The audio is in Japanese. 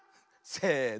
せの。